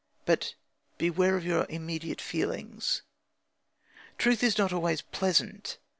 But beware of your immediate feelings. Truth is not always pleasant.